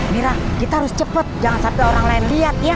mirah kita harus cepet jangan sampai orang lain liat ya